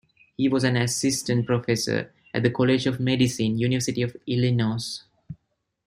He was an assistant professor at the College of Medicine, University of Illinois.